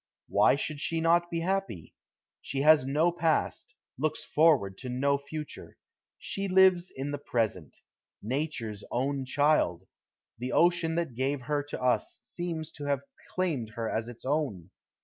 Why should she not be happy? She has no past, looks forward to no future. She lives in the present, Nature's own child. The ocean that gave her to us seems to have claimed her as its own.